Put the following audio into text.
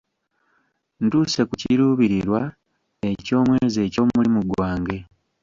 Ntuuse ku kiruubirirwa eky'omwezi eky'omulimu gwange.